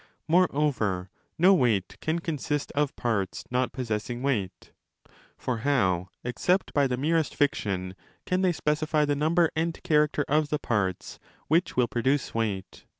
Moreover, no weight can consist of parts not possessing weight. For how, except by the merest fiction, can they specify the number and character of the parts which will produce weight?